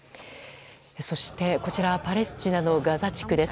そしてパレスチナのガザ地区です。